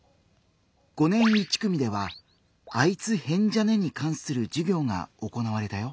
５年１組では「あいつ変じゃね？」に関する授業が行われたよ。